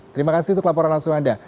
terima kasih untuk laporan langsung anda